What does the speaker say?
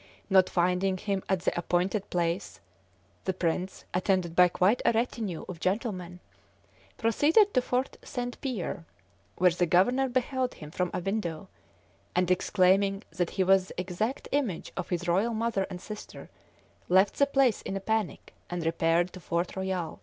Not finding him at the appointed place, "the prince," attended by quite a retinue of gentlemen, proceeded to Fort St. Pierre, where the Governor beheld him from a window, and exclaiming that he was the exact image of his royal mother and sister, left the place in a panic and repaired to Fort Royal.